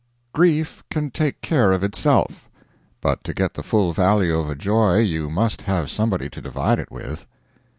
Grief can take care of itself; but to get the full value of a joy you must have somebody to divide it with.